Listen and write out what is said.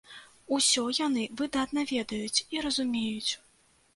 Усё яны выдатна ведаюць і разумеюць.